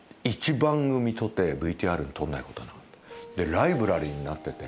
ライブラリーになってて。